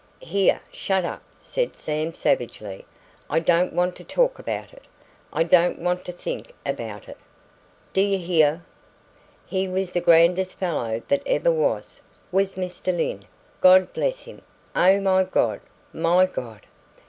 "Here, shut up," said Sam savagely. "I don't want to talk about it. I don't want to think about it! D'ye hear? He was the grandest fellow that ever was, was Mr. Lyne, God bless him! Oh, my God! My God!"